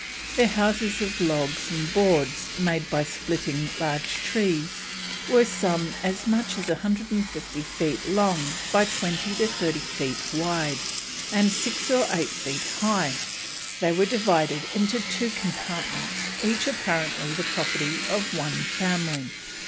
Their houses of logs and boards made by splitting large trees, were some as much as 150 feet long by 20 to 30 feet wide, and 7 or 8 feet high; they were divided into two compartments, each apparently the property of one family.